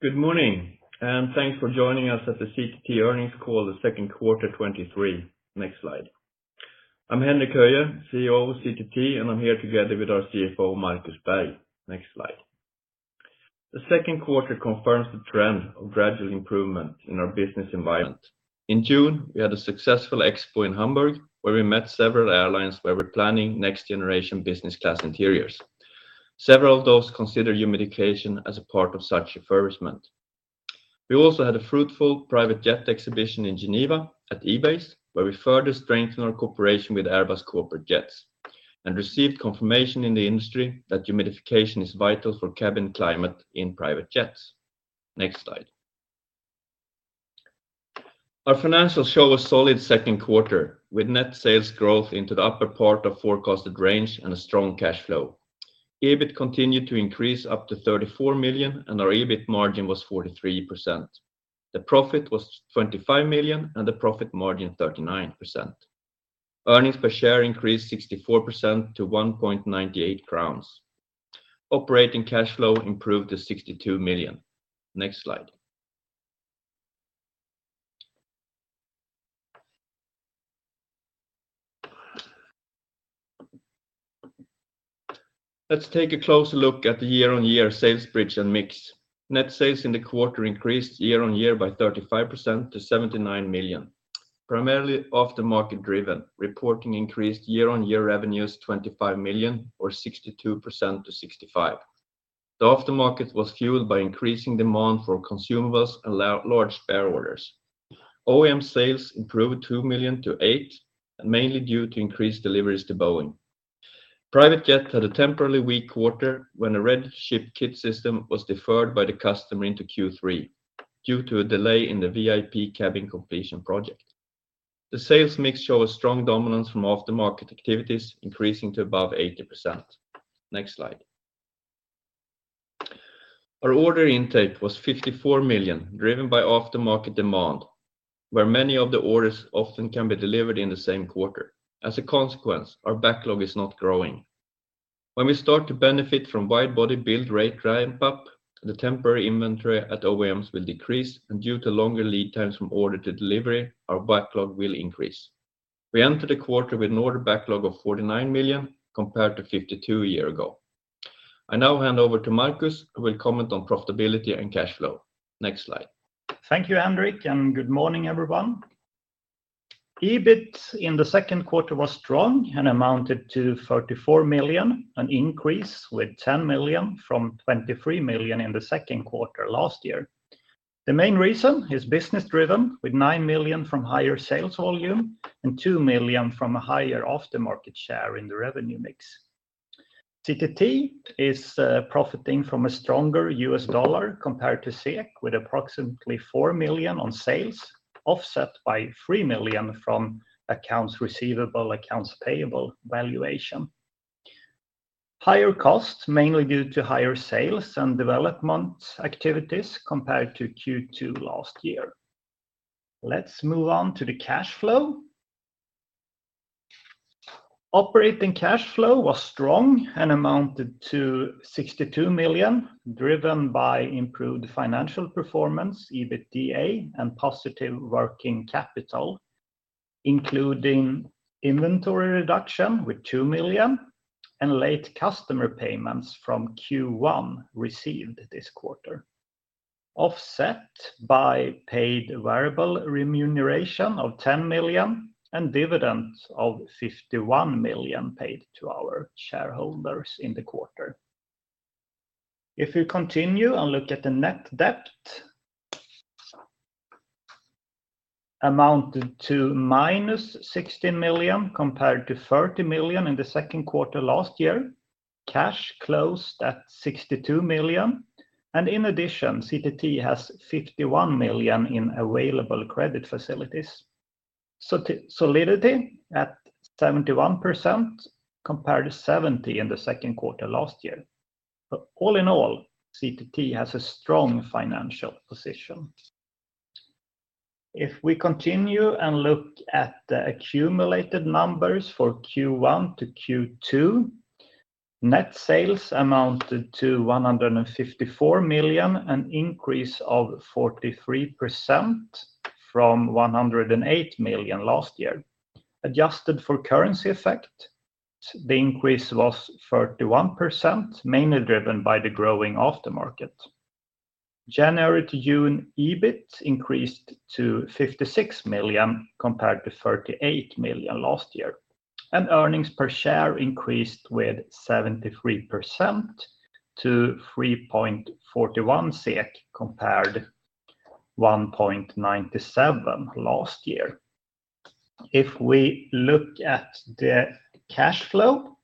Good morning, thanks for joining us at the CTT earnings call, the second quarter 2023. Next slide. I'm Henrik Höjer, CEO of CTT, and I'm here together with our CFO, Markus Berg. Next slide. The second quarter confirms the trend of gradual improvement in our business environment. In June, we had a successful AIX in Hamburg, where we met several airlines, where we're planning next generation business class interiors. Several of those consider humidification as a part of such refurbishment. We also had a fruitful private jet exhibition in Geneva at EBACE, where we further strengthened our cooperation with Airbus Corporate Jets, and received confirmation in the industry that humidification is vital for cabin climate in private jets. Next slide. Our financials show a solid second quarter, with net sales growth into the upper part of forecasted range and a strong cash flow. EBIT continued to increase up to 34 million, and our EBIT margin was 43%. The profit was 25 million, and the profit margin, 39%. Earnings per share increased 64% to 1.98 crowns. Operating cash flow improved to 62 million. Next slide. Let's take a closer look at the year-on-year sales bridge and mix. Net sales in the quarter increased year-on-year by 35% to 79 million, primarily aftermarket driven, reporting increased year-on-year revenues, 25 million, or 62% to 65 million. The aftermarket was fueled by increasing demand for consumables and large spare orders. OEM sales improved 2 million to 8 million, and mainly due to increased deliveries to Boeing. Private jet had a temporarily weak quarter when a retrofit ship kit system was deferred by the customer into Q3 due to a delay in the VIP cabin completion project. The sales mix show a strong dominance from aftermarket activities, increasing to above 80%. Next slide. Our order intake was 54 million, driven by aftermarket demand, where many of the orders often can be delivered in the same quarter. A consequence, our backlog is not growing. When we start to benefit from wide-body build rate ramp up, the temporary inventory at OEMs will decrease, Due to longer lead times from order to delivery, our backlog will increase. We entered the quarter with an order backlog of 49 million compared to 52 a year ago. I now hand over to Markus, who will comment on profitability and cash flow. Next slide. Thank you, Henrik. Good morning, everyone. EBIT in the second quarter was strong and amounted to 44 million, an increase with 10 million from 23 million in the second quarter last year. The main reason is business driven, with 9 million from higher sales volume and 2 million from a higher aftermarket share in the revenue mix. CTT is profiting from a stronger US dollar compared to SEK, with approximately $4 million on sales, offset by $3 million from accounts receivable, accounts payable valuation. Higher costs, mainly due to higher sales and development activities compared to Q2 last year. Let's move on to the cash flow. Operating cash flow was strong and amounted to 62 million, driven by improved financial performance, EBITDA, and positive working capital, including inventory reduction with 2 million, and late customer payments from Q1 received this quarter. Offset by paid variable remuneration of 10 million and dividends of 51 million paid to our shareholders in the quarter. If you continue and look at the net debt, amounted to -16 million, compared to 30 million in the second quarter last year. Cash closed at 62 million, and in addition, CTT has 51 million in available credit facilities. Solidity at 71%, compared to 70% in the second quarter last year. All in all, CTT has a strong financial position. If we continue and look at the accumulated numbers for Q1 to Q2, net sales amounted to 154 million, an increase of 43% from 108 million last year. Adjusted for currency effect, the increase was 31%, mainly driven by the growing aftermarket. January to June, EBIT increased to 56 million, compared to 38 million last year. Earnings per share increased with 73% to 3.41 SEK compared 1.97 last year. If we look at the cash flow,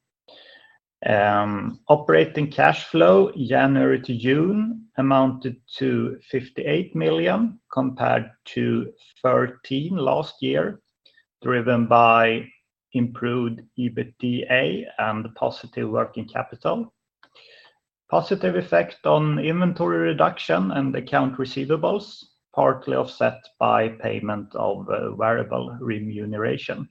operating cash flow, January to June, amounted to 58 million compared to 13 million last year, driven by improved EBITDA and positive working capital. Positive effect on inventory reduction and account receivables, partly offset by payment of variable remuneration....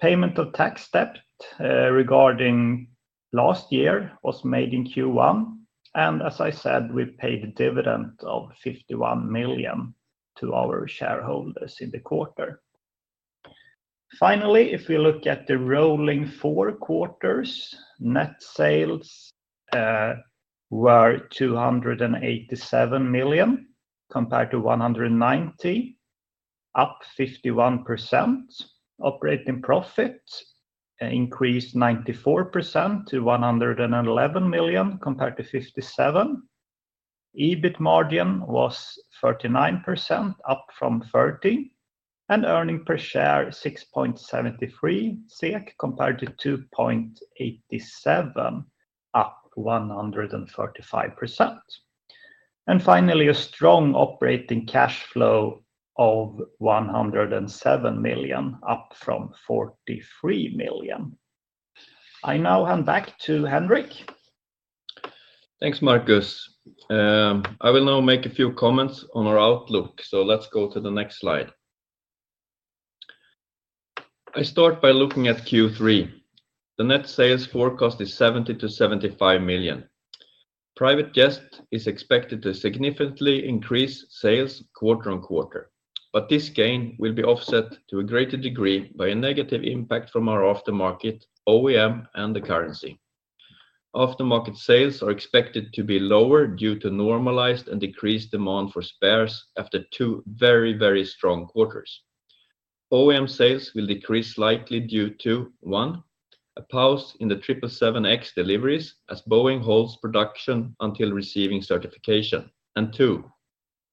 Payment of tax debt regarding last year was made in Q1. As I said, we paid a dividend of 51 million to our shareholders in the quarter. Finally, if we look at the rolling four quarters, net sales were 287 million compared to 190 million, up 51%. Operating profit increased 94% to 111 million, compared to 57 million. EBIT margin was 39%, up from 30%, and earning per share, 6.73 SEK, compared to 2.87, up 135%. Finally, a strong operating cash flow of 107 million, up from 43 million. I now hand back to Henrik. Thanks, Markus. I will now make a few comments on our outlook. Let's go to the next slide. I start by looking at Q3. The net sales forecast is 70 million-75 million. Private jet is expected to significantly increase sales quarter-on-quarter, but this gain will be offset to a greater degree by a negative impact from our aftermarket, OEM, and the currency. Aftermarket sales are expected to be lower due to normalized and decreased demand for spares after two very strong quarters. OEM sales will decrease likely due to, 1, a pause in the 777X deliveries as Boeing holds production until receiving certification. 2,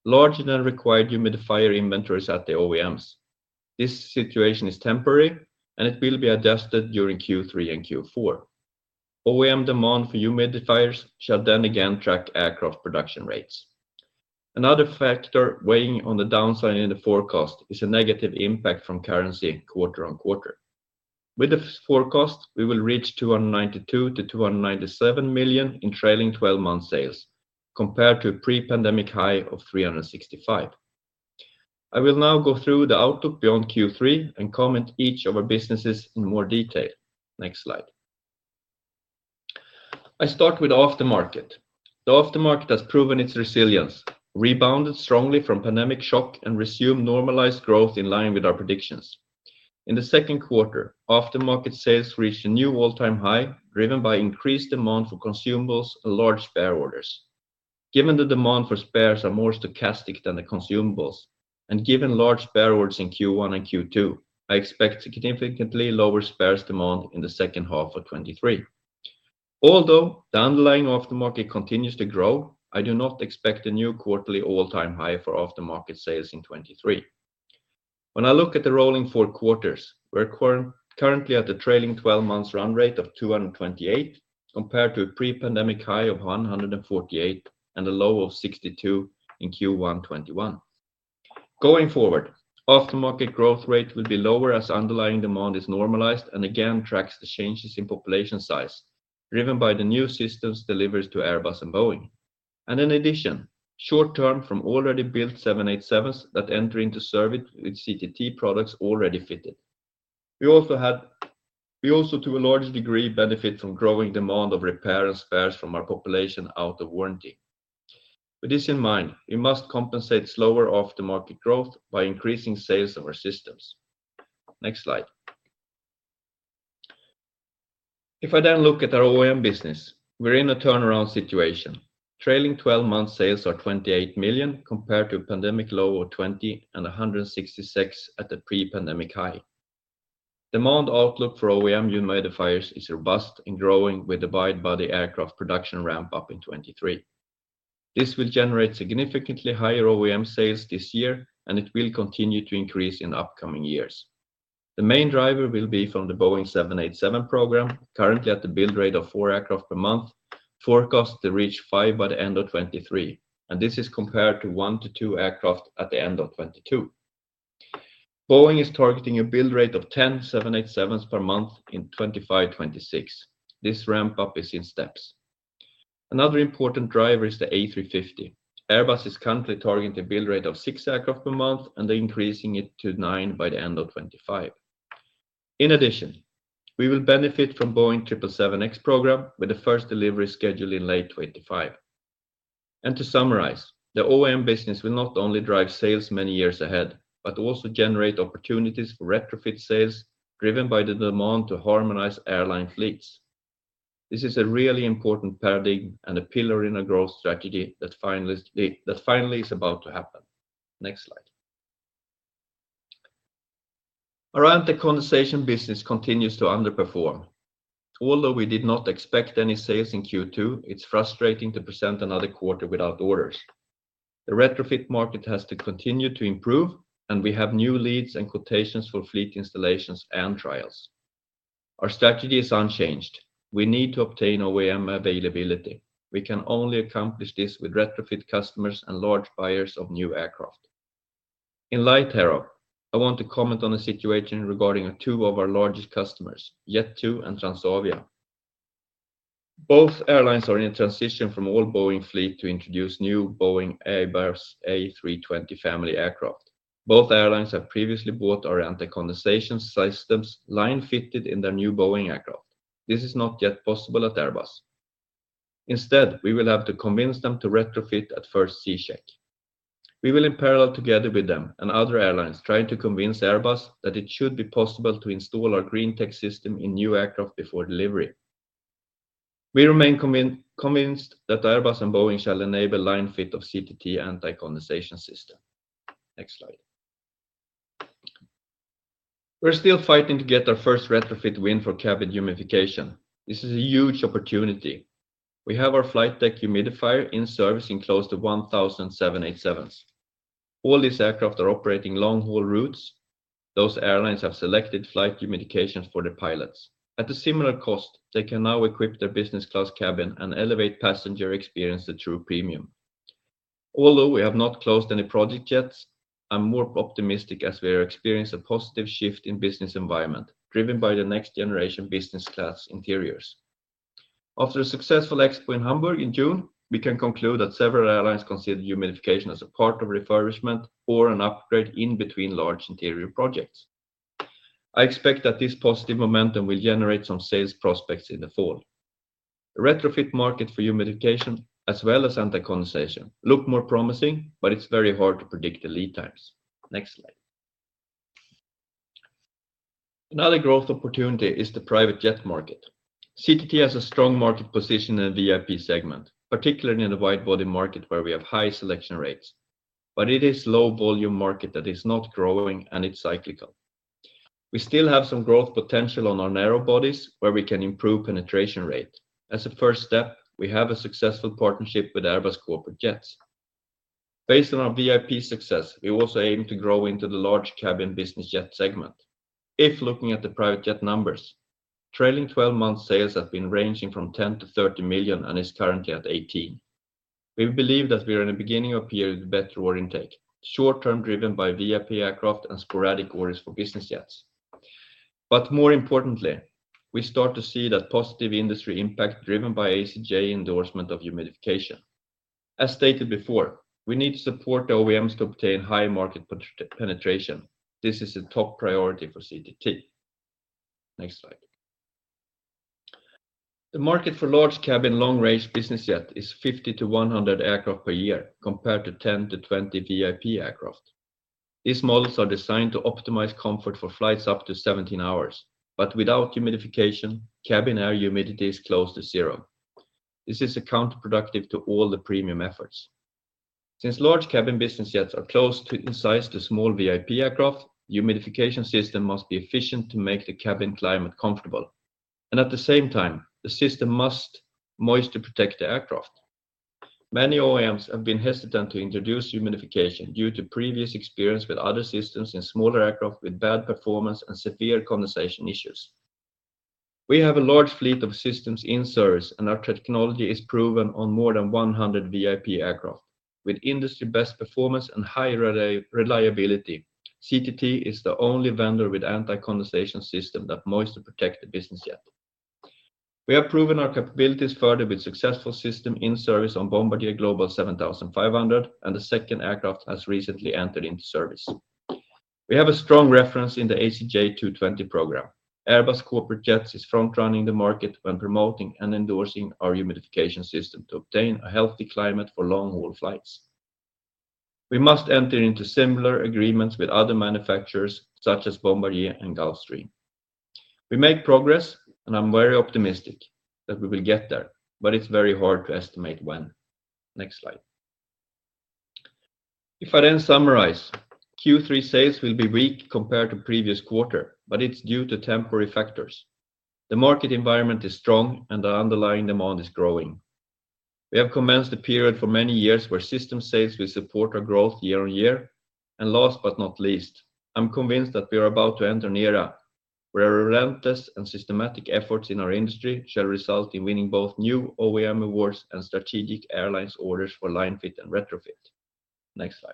larger than required humidifier inventories at the OEMs. This situation is temporary, and it will be adjusted during Q3 and Q4. OEM demand for humidifiers shall then again track aircraft production rates. Another factor weighing on the downside in the forecast is a negative impact from currency quarter-on-quarter. With the forecast, we will reach 292 million-297 million in trailing twelve-month sales, compared to a pre-pandemic high of 365 million. I will now go through the outlook beyond Q3 and comment each of our businesses in more detail. Next slide. I start with aftermarket. The aftermarket has proven its resilience, rebounded strongly from pandemic shock, and resumed normalized growth in line with our predictions. In the second quarter, aftermarket sales reached a new all-time high, driven by increased demand for consumables and large spare orders. Given the demand for spares are more stochastic than the consumables, given large spare orders in Q1 and Q2, I expect significantly lower spares demand in the second half of 2023. Although the underlying aftermarket continues to grow, I do not expect a new quarterly all-time high for aftermarket sales in 2023. When I look at the rolling four quarters, we're currently at the trailing twelve months run rate of 228 million, compared to a pre-pandemic high of 148 million and a low of 62 million in Q1, 2021. Going forward, aftermarket growth rate will be lower as underlying demand is normalized and again tracks the changes in population size, driven by the new systems deliveries to Airbus and Boeing. In addition, short term from already built 787s that enter into service with CTT products already fitted. We also, to a large degree, benefit from growing demand of repair and spares from our population out of warranty. With this in mind, we must compensate slower off the market growth by increasing sales of our systems. Next slide. I then look at our OEM business, we're in a turnaround situation. Trailing twelve months sales are 28 million, compared to a pandemic low of 20 and 166 at the pre-pandemic high. Demand outlook for OEM humidifiers is robust in growing with a wide-body aircraft production ramp-up in 2023. This will generate significantly higher OEM sales this year, and it will continue to increase in the upcoming years. The main driver will be from the Boeing 787 program, currently at the build rate of 4 aircraft per month, forecast to reach 5 by the end of 2023, and this is compared to 1-2 aircraft at the end of 2022. Boeing is targeting a build rate of 10 787s per month in 2025, 2026. This ramp up is in steps. Another important driver is the A350. Airbus is currently targeting a build rate of 6 aircraft per month and increasing it to 9 by the end of 2025. In addition, we will benefit from Boeing 777X program, with the first delivery scheduled in late 2025. To summarize, the OEM business will not only drive sales many years ahead, but also generate opportunities for retrofit sales, driven by the demand to harmonize airline fleets. This is a really important paradigm and a pillar in a growth strategy that finally is about to happen. Next slide. Around the condensation business continues to underperform. Although we did not expect any sales in Q2, it's frustrating to present another quarter without orders. The retrofit market has to continue to improve, and we have new leads and quotations for fleet installations and trials. Our strategy is unchanged. We need to obtain OEM availability. We can only accomplish this with retrofit customers and large buyers of new aircraft. In light here, I want to comment on the situation regarding two of our largest customers, Jet2 and Transavia. Both airlines are in transition from all Boeing fleet to introduce new Boeing Airbus A320 family aircraft. Both airlines have previously bought our Anti-condensation systems line fitted in their new Boeing aircraft. This is not yet possible at Airbus. We will have to convince them to retrofit at first C check. We will in parallel together with them and other airlines, trying to convince Airbus that it should be possible to install our green tech system in new aircraft before delivery. We remain convinced that Airbus and Boeing shall enable line-fit of CTT anti-condensation system. Next slide. We're still fighting to get our first retrofit win for cabin humidification. This is a huge opportunity. We have our flight deck humidifier in service in close to 1,000 787s. All these aircraft are operating long-haul routes. Those airlines have selected flight humidification for their pilots. At a similar cost, they can now equip their business class cabin and elevate passenger experience to true premium. We have not closed any project yet, I'm more optimistic as we are experiencing a positive shift in business environment, driven by the next generation business class interiors. After a successful expo in Hamburg in June, we can conclude that several airlines consider humidification as a part of refurbishment or an upgrade in between large interior projects. I expect that this positive momentum will generate some sales prospects in the fall. Retrofit market for humidification, as well as Anti-condensation, look more promising, but it's very hard to predict the lead times. Next slide. Another growth opportunity is the private jet market. CTT has a strong market position in the VIP segment, particularly in the wide-body market, where we have high selection rates, but it is low volume market that is not growing and it's cyclical. We still have some growth potential on our narrow bodies, where we can improve penetration rate. As a first step, we have a successful partnership with Airbus Corporate Jets. Based on our VIP success, we also aim to grow into the large cabin business jet segment. If looking at the private jet numbers, trailing twelve-month sales have been ranging from 10 million-30 million and is currently at 18 million. We believe that we are in the beginning of a period with better order intake, short term driven by VIP aircraft and sporadic orders for business jets. More importantly, we start to see that positive industry impact driven by ACJ endorsement of humidification. As stated before, we need to support the OEMs to obtain high market penetration. This is a top priority for CTT. Next slide. The market for large cabin, long-range business jet is 50-100 aircraft per year, compared to 10-20 VIP aircraft. These models are designed to optimize comfort for flights up to 17 hours, but without humidification, cabin air humidity is close to zero. This is counterproductive to all the premium efforts. Since large cabin business jets are close to in size to small VIP aircraft, humidification system must be efficient to make the cabin climate comfortable. At the same time, the system must moisture protect the aircraft. Many OEMs have been hesitant to introduce humidification due to previous experience with other systems in smaller aircraft with bad performance and severe condensation issues. We have a large fleet of systems in service, and our technology is proven on more than 100 VIP aircraft. With industry best performance and high reliability, CTT is the only vendor with Anti-condensation system that moisture protect the business jet. We have proven our capabilities further with successful system in service on Bombardier Global 7500, and the second aircraft has recently entered into service. We have a strong reference in the ACJ TwoTwenty program. Airbus Corporate Jets is front running the market when promoting and endorsing our humidification system to obtain a healthy climate for long-haul flights. We must enter into similar agreements with other manufacturers, such as Bombardier and Gulfstream. We make progress, and I'm very optimistic that we will get there, but it's very hard to estimate when. Next slide. If I summarize, Q3 sales will be weak compared to previous quarter, but it's due to temporary factors. The market environment is strong, and the underlying demand is growing. We have commenced a period for many years where system sales will support our growth year-on-year. Last but not least, I'm convinced that we are about to enter an era where our relentless and systematic efforts in our industry shall result in winning both new OEM awards and strategic airlines orders for line-fit and retrofit. Next slide.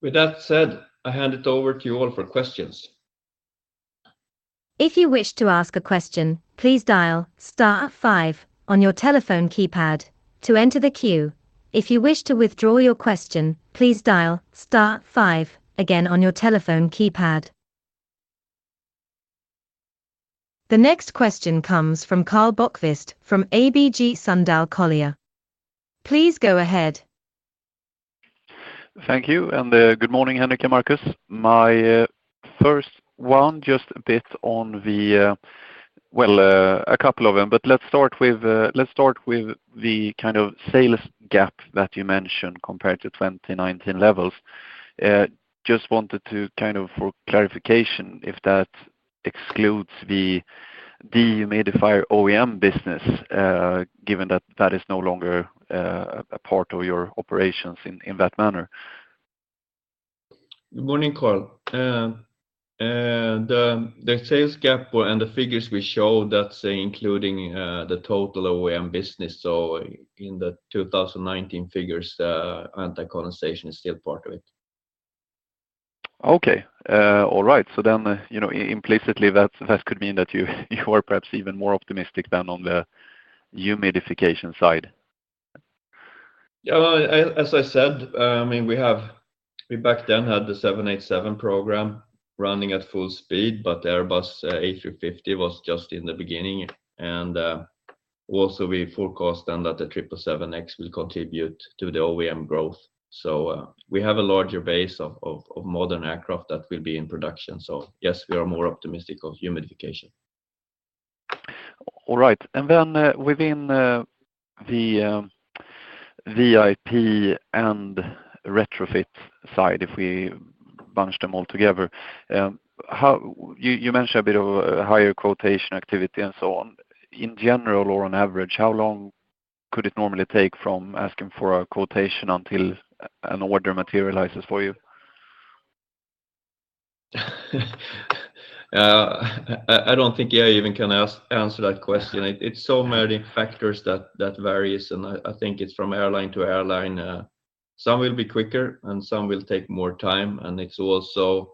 With that said, I hand it over to you all for questions. If you wish to ask a question, please dial star five on your telephone keypad to enter the queue. If you wish to withdraw your question, please dial star five again on your telephone keypad. The next question comes from Karl Bokvist, from ABG Sundal Collier. Please go ahead. Thank you, and good morning, Henrik and Markus. My first one, just a bit on the... a couple of them, but let's start with the kind of sales gap that you mentioned compared to 2019 levels. Just wanted to kind of for clarification, if that excludes the dehumidifier OEM business, given that that is no longer a part of your operations in that manner? Good morning, Karl. The sales gap and the figures we show, that's including the total OEM business. In the 2019 figures, the Anti-condensation is still part of it. Okay, all right. you know, implicitly, that could mean that you are perhaps even more optimistic than on the humidification side. Yeah, well, as I said, I mean, we back then had the 787 program running at full speed. Airbus A350 was just in the beginning. Also, we forecast then that the 777X will contribute to the OEM growth. We have a larger base of modern aircraft that will be in production. Yes, we are more optimistic of humidification. All right. Within the VIP and retrofit side, if we bunch them all together, you mentioned a bit of a higher quotation activity and so on. In general, or on average, how long could it normally take from asking for a quotation until an order materializes for you? I don't think I even can answer that question. It's so many factors that varies, and I think it's from airline to airline. Some will be quicker, and some will take more time, and it's also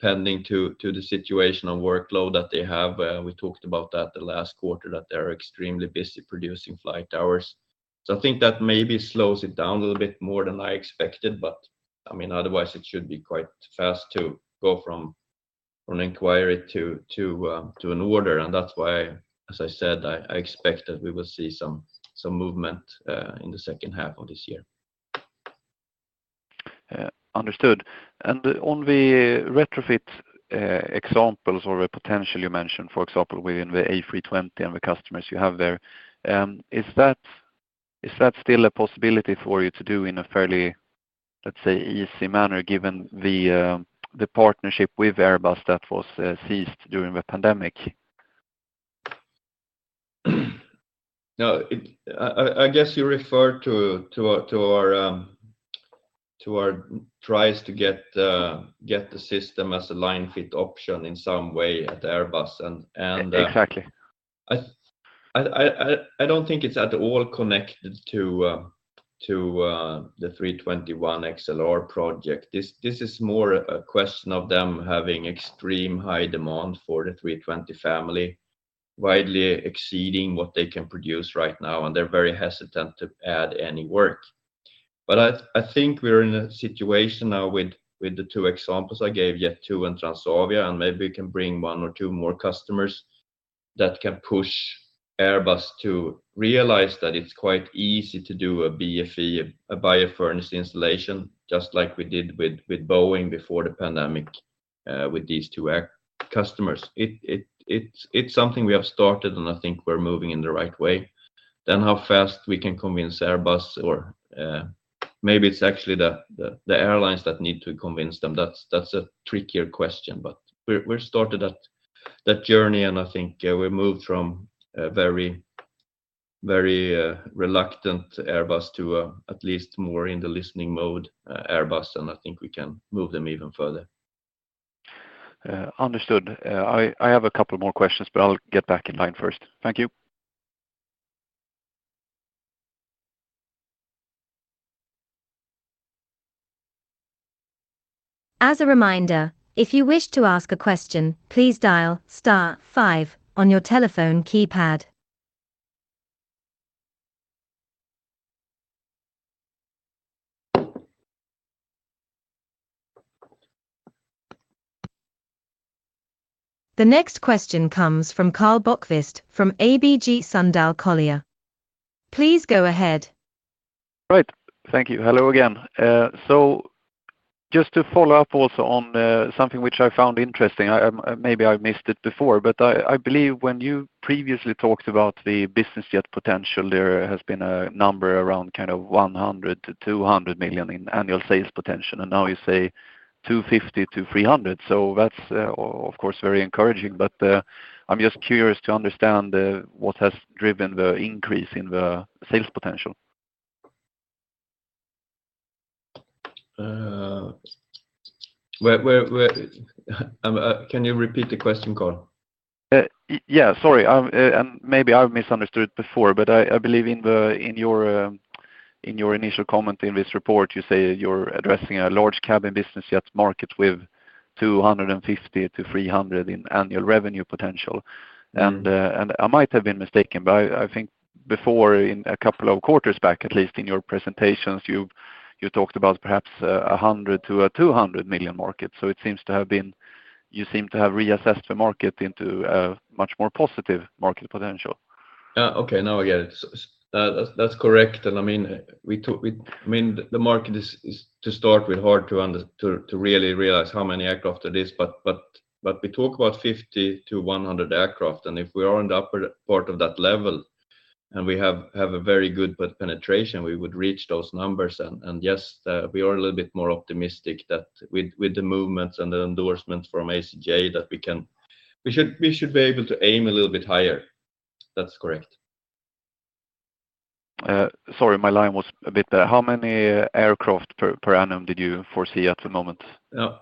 pending to the situation of workload that they have. We talked about that the last quarter, that they're extremely busy producing flight hours. I think that maybe slows it down a little bit more than I expected, but, I mean, otherwise, it should be quite fast to go from an inquiry to an order. That's why, as I said, I expect that we will see some movement in the second half of this year. Understood. On the retrofit examples or the potential you mentioned, for example, within the A320 and the customers you have there, is that still a possibility for you to do in a fairly, let's say, easy manner, given the partnership with Airbus that was ceased during the pandemic? I guess you refer to our tries to get the system as a line fit option in some way at Airbus. Exactly I don't think it's at all connected to the A321XLR project. This is more a question of them having extreme high demand for the A320 family, widely exceeding what they can produce right now, and they're very hesitant to add any work. But I think we're in a situation now with the two examples I gave, Jet2 and Transavia, and maybe we can bring 1 or 2 more customers that can push Airbus to realize that it's quite easy to do a BFE, a Buyer Furnished Equipment installation, just like we did with Boeing before the pandemic, with these two air customers. It's something we have started, and I think we're moving in the right way. How fast we can convince Airbus or, maybe it's actually the airlines that need to convince them, that's a trickier question. We're started at that journey, and I think we moved from a very reluctant Airbus to at least more in the listening mode Airbus, and I think we can move them even further. understood. I have a couple more questions, but I'll get back in line first. Thank you. As a reminder, if you wish to ask a question, please dial star five on your telephone keypad. The next question comes from Karl Bokvist from ABG Sundal Collier. Please go ahead. Right. Thank you. Hello again. Just to follow up also on something which I found interesting, maybe I missed it before, but I believe when you previously talked about the business jet potential, there has been a number around kind of 100 million-200 million in annual sales potential, and now you say 250 million-300 million. That's of course, very encouraging. I'm just curious to understand what has driven the increase in the sales potential? where... can you repeat the question, Karl? Yeah, sorry. Maybe I've misunderstood before, but I believe in the, in your initial comment in this report, you say you're addressing a large cabin business jet market with 250-300 in annual revenue potential. Mm-hmm. I might have been mistaken, but I think before, in a couple of quarters back, at least in your presentations, you talked about perhaps, a 100 million-200 million market. You seem to have reassessed the market into a much more positive market potential. Okay, now I get it. That's, that's correct, and I mean, we talk. I mean, the market is to start with, hard to really realize how many aircraft it is, but we talk about 50 to 100 aircraft, and if we are on the upper part of that level and we have a very good but penetration, we would reach those numbers. Yes, we are a little bit more optimistic that with the movements and the endorsement from ACJ, that we should be able to aim a little bit higher. That's correct. sorry, my line was a bit. How many aircraft per annum did you foresee at the moment? Yeah.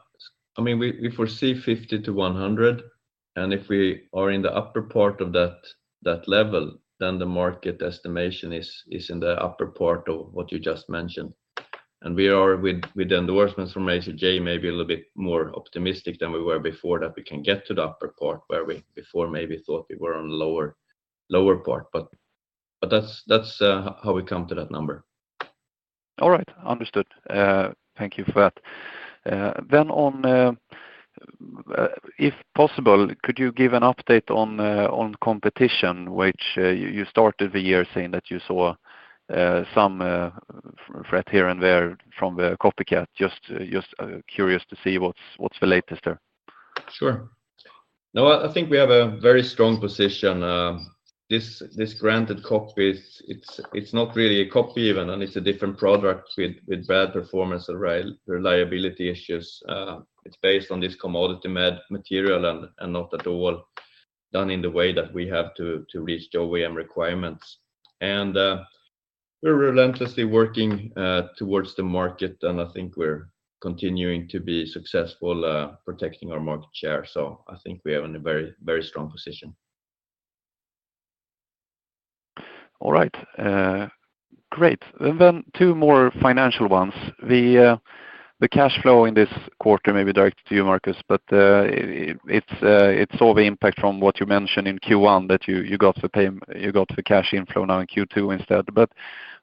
I mean, we foresee 50 to 100. If we are in the upper part of that level, then the market estimation is in the upper part of what you just mentioned. We are with the endorsements from ACJ, maybe a little bit more optimistic than we were before, that we can get to the upper part, where we before maybe thought we were on lower part. That's how we come to that number. All right. Understood. Thank you for that. On, if possible, could you give an update on competition, which you started the year saying that you saw some threat here and there from the copycat? Just curious to see what's the latest there? Sure. No, I think we have a very strong position. This granted copy, it's not really a copy even, and it's a different product with bad performance, reliability issues. It's based on this commodity material, and not at all done in the way that we have to reach the OEM requirements. We're relentlessly working towards the market, and I think we're continuing to be successful protecting our market share. I think we are in a very strong position. All right. Great. Two more financial ones. The cash flow in this quarter, maybe directed to you, Markus, but it's all the impact from what you mentioned in Q1 that you got the cash inflow now in Q2 instead.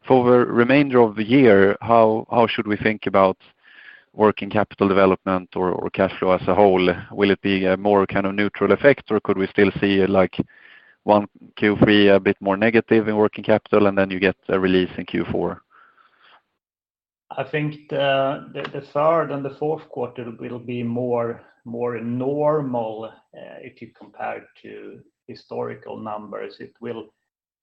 For the remainder of the year, how should we think about working capital development or cash flow as a whole? Will it be a more kind of neutral effect, or could we still see, like, one Q3 a bit more negative in working capital, and then you get a release in Q4? I think the third and the fourth quarter will be more normal, if you compare it to historical numbers. It will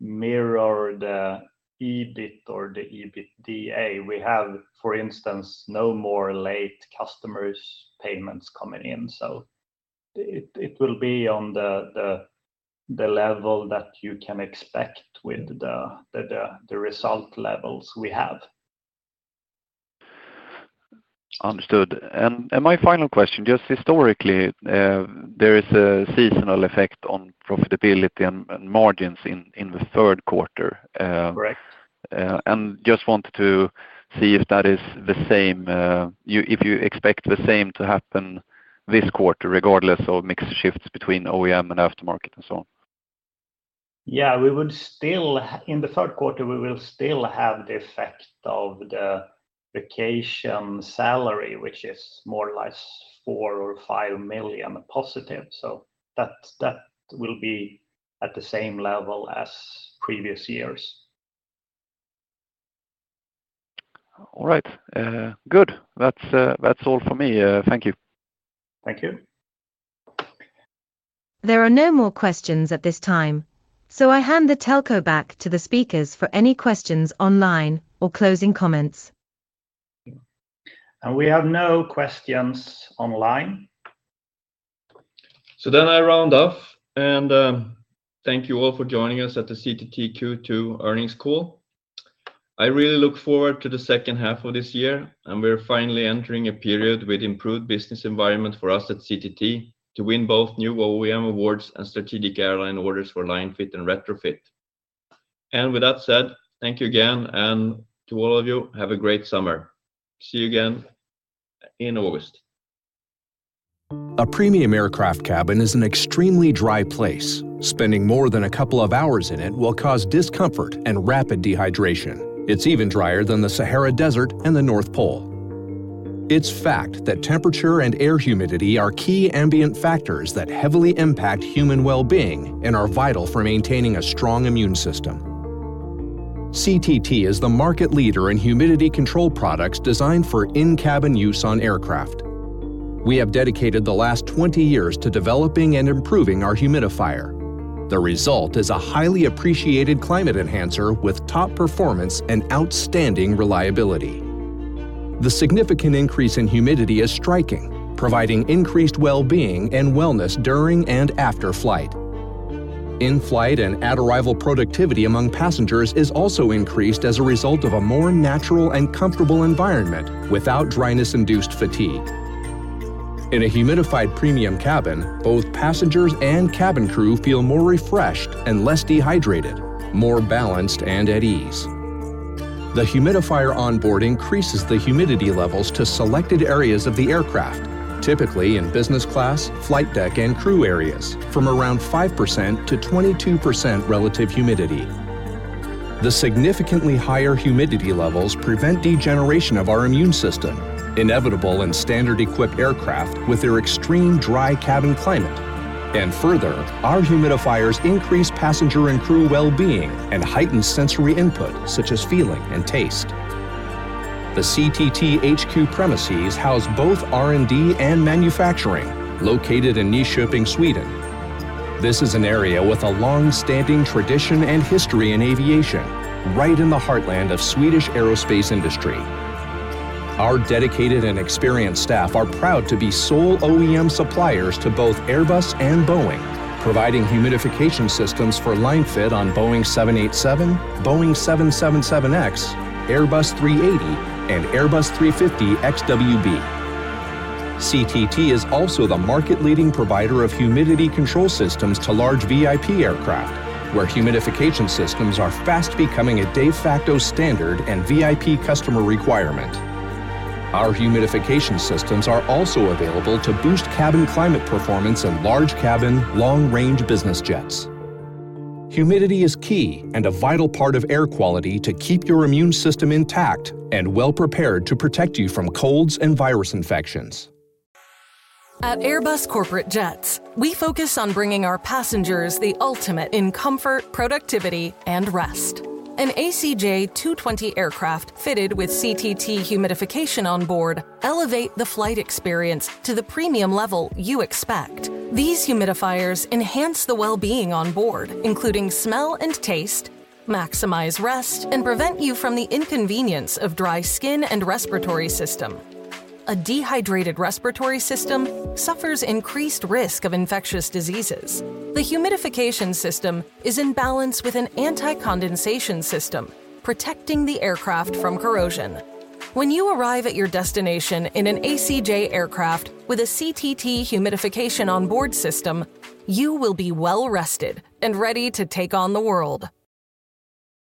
mirror the EBIT or the EBITDA. We have, for instance, no more late customers' payments coming in, so it will be on the level that you can expect with the result levels we have. Understood. My final question, just historically, there is a seasonal effect on profitability and margins in the third quarter. Correct. Just wanted to see if that is the same, if you expect the same to happen this quarter, regardless of mix shifts between OEM and aftermarket and so on? Yeah, we would still, in the third quarter, we will still have the effect of the vacation salary, which is more or less 4 million-5 million positive. That will be at the same level as previous years. All right. good. That's all for me. Thank you. Thank you. There are no more questions at this time, so I hand the telco back to the speakers for any questions online or closing comments. We have no questions online. I round off. Thank you all for joining us at the CTT Q2 Earnings Call. I really look forward to the second half of this year, we're finally entering a period with improved business environment for us at CTT to win both new OEM awards and strategic airline orders for line fit and retrofit. With that said, thank you again, and to all of you, have a great summer. See you again in August. A premium aircraft cabin is an extremely dry place. Spending more than a couple of hours in it will cause discomfort and rapid dehydration. It's even drier than the Sahara Desert and the North Pole. It's fact that temperature and air humidity are key ambient factors that heavily impact human well-being and are vital for maintaining a strong immune system. CTT is the market leader in humidity control products designed for in-cabin use on aircraft. We have dedicated the last 20 years to developing and improving our humidifier. The result is a highly appreciated climate enhancer with top performance and outstanding reliability. The significant increase in humidity is striking, providing increased well-being and wellness during and after flight. In-flight and at-arrival productivity among passengers is also increased as a result of a more natural and comfortable environment, without dryness-induced fatigue. In a humidified premium cabin, both passengers and cabin crew feel more refreshed and less dehydrated, more balanced and at ease. The Humidifier Onboard increases the humidity levels to selected areas of the aircraft, typically in business class, flight deck, and crew areas, from around 5% to 22% relative humidity. The significantly higher humidity levels prevent degeneration of our immune system, inevitable in standard-equipped aircraft with their extreme dry cabin climate. Further, our humidifiers increase passenger and crew well-being and heighten sensory input, such as feeling and taste. The CTT HQ premises house both R&D and manufacturing, located in Nyköping, Sweden. This is an area with a long-standing tradition and history in aviation, right in the heartland of Swedish aerospace industry. Our dedicated and experienced staff are proud to be sole OEM suppliers to both Airbus and Boeing, providing humidification systems for line-fit on Boeing 787, Boeing 777X, Airbus A380, and Airbus A350 XWB. CTT is also the market-leading provider of humidity control systems to large VIP aircraft, where humidification systems are fast becoming a de facto standard and VIP customer requirement. Our humidification systems are also available to boost cabin climate performance in large-cabin, long-range business jets. Humidity is key and a vital part of air quality to keep your immune system intact and well-prepared to protect you from colds and virus infections. At Airbus Corporate Jets, we focus on bringing our passengers the ultimate in comfort, productivity, and rest. An ACJ TwoTwenty aircraft fitted with CTT humidification on board elevate the flight experience to the premium level you expect. These humidifiers enhance the well-being on board, including smell and taste, maximize rest, and prevent you from the inconvenience of dry skin and respiratory system. A dehydrated respiratory system suffers increased risk of infectious diseases. The humidification system is in balance with an Anti-condensation system, protecting the aircraft from corrosion. When you arrive at your destination in an ACJ aircraft with a CTT humidification on board system, you will be well rested and ready to take on the world.